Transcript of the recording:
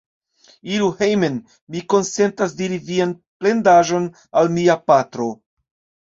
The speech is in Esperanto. Iru hejmen: mi konsentas diri vian plendaĵon al mia patro!